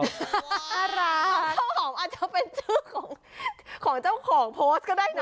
น่ารักข้าวหอมอาจจะเป็นชื่อของเจ้าของโพสต์ก็ได้นะ